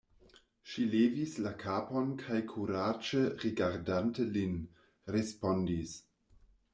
Ŝi levis la kapon kaj kuraĝe rigardante lin, respondis: